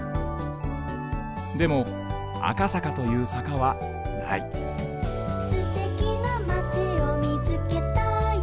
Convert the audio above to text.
でも赤坂という坂はない「すてきなまちをみつけたよ」